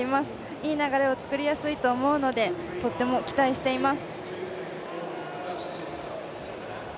いい流れをつくりやすいと思うので、とっても期待しています。